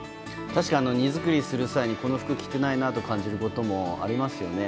確かに、荷造りをする際にこの服、着ていないなと感じることもありますよね。